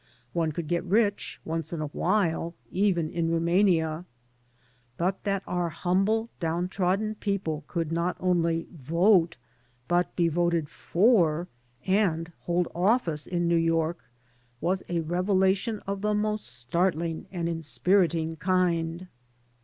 One could get rich, once in a while, even in Rumania. But that our humble, downtrodden people could not only vote, but be voted for and hold office in New York, was a revelation of the most startling and inspiriting kind.